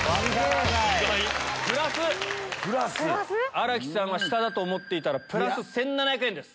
新木さんは下だと思っていたらプラス１７００円です。